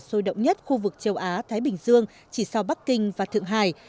sôi động nhất khu vực châu á thái bình dương chỉ sau bắc kinh và thượng hải